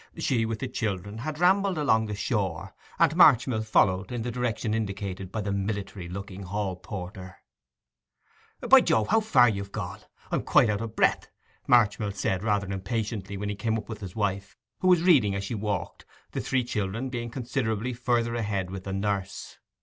She, with the children, had rambled along the shore, and Marchmill followed in the direction indicated by the military looking hall porter 'By Jove, how far you've gone! I am quite out of breath,' Marchmill said, rather impatiently, when he came up with his wife, who was reading as she walked, the three children being considerably further ahead with the nurse.